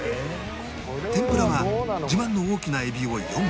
天ぷらは自慢の大きなエビを４尾